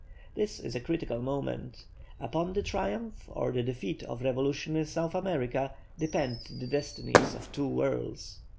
This is a critical moment: upon the triumph or the defeat of revolution in South America depend the destinies of two worlds.